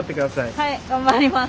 はい頑張ります。